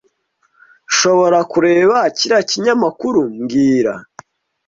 Nshobora kureba kiriya kinyamakuru mbwira